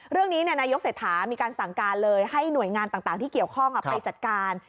เรื่องนี้นายกเศรษฐามีการสั่งการเลยให้หน่วยงานต่างที่เกี่ยวข้องไปจัดการ